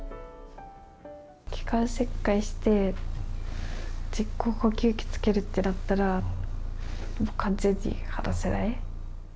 気管切開して、人工呼吸器つけるってなったら、もう完全に話せない。